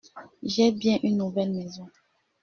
J’ai bien une nouvelle maison.